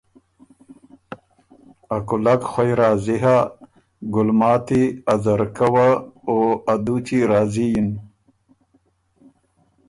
ا کُولک خوئ راضی هۀ، ګلماتی، ا ځرکۀ وه او ا دُوچی راضی یِن۔